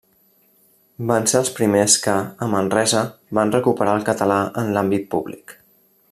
Van ser els primers que, a Manresa, van recuperar el català en l’àmbit públic.